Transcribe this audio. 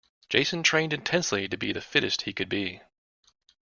Jason trained intensely to be the fittest he could be.